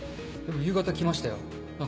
夕方来ましたよ